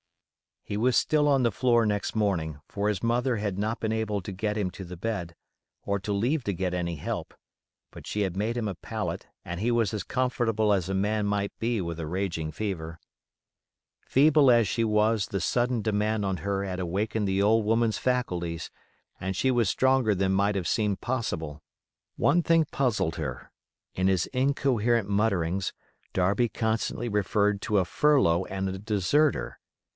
He was still on the floor next morning, for his mother had not been able to get him to the bed, or to leave to get any help; but she had made him a pallet, and he was as comfortable as a man might be with a raging fever. Feeble as she was, the sudden demand on her had awakened the old woman's faculties and she was stronger than might have seemed possible. One thing puzzled her: in his incoherent mutterings, Darby constantly referred to a furlough and a deserter.